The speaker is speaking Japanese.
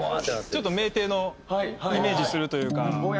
ちょっと酩酊のイメージするというか。